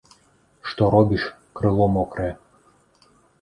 Што робіш, крыло мокрае.